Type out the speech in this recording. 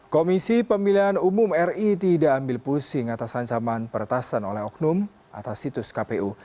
komisi pemilihan umum ri tidak ambil pusing atas ancaman peretasan oleh oknum atas situs kpu